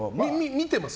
見てます？